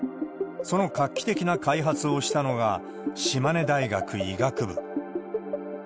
その画期的な開発をしたのが、島根大学医学部。